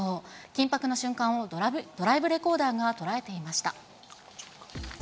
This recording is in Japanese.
緊迫の瞬間をドライブレコーダーが捉えていました。